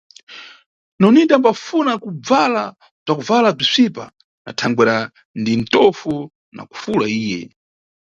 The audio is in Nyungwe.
Nonita ambafuna kubvala bzakubvala bzisvipa na thangwera ndi ntofu na kufula iye.